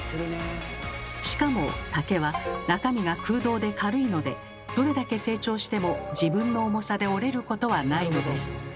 しかも竹は中身が空洞で軽いのでどれだけ成長しても自分の重さで折れることはないのです。